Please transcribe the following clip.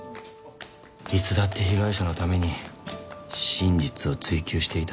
いつだって被害者のために真実を追求していた。